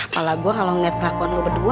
kepala gue kalo ngeliat kelakuan lo berdua